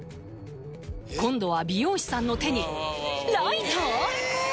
今度は美容師さんの手にライター！？